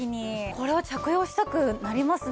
これは着用したくなりますね。